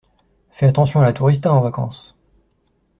Fais attention à la tourista en vacances.